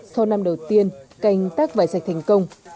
sau năm đầu tiên canh tác vải sạch thành công